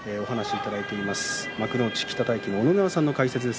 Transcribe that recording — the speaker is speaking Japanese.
幕内北太樹の小野川さんの解説です。